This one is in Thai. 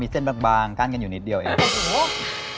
เส้นบางกั้นกันอยู่นิดเดียวเอง